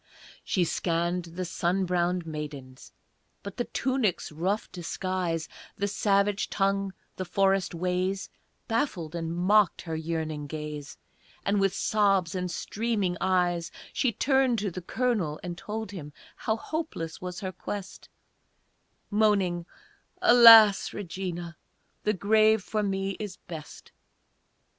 She scanned the sun browned maidens; But the tunic's rough disguise, The savage tongue, the forest ways, Baffled and mocked her yearning gaze, And with sobs and streaming eyes She turned to the Colonel and told him How hopeless was her quest Moaning, "Alas, Regina! The grave for me is best!"